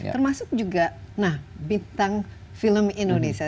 termasuk juga nah bintang film indonesia